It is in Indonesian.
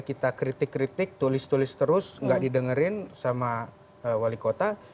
kita kritik kritik tulis tulis terus nggak didengerin sama wali kota